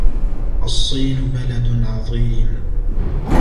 الصين بلد عظيم.